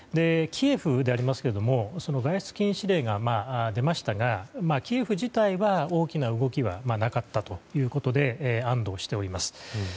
キエフでありますけれど外出禁止令が出ましたがキエフ自体は大きな動きはなかったということで安堵しております。